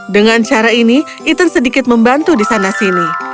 dengan cara ini ethan sedikit membantu di sana sini